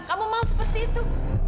kamu mau seperti itu